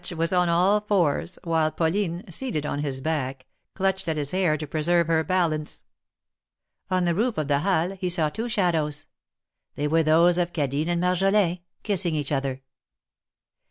' Much was on all fours, while Pauline, seated on his back, clutched at his hair to preserve her balance. On the roof of the Halles he saw two shadows: they were those of Cadine and Marjolin kissing each other.